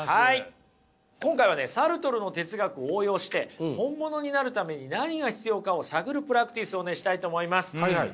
今回はねサルトルの哲学を応用して本物になるために何が必要かを探るプラクティスをねしたいと思います。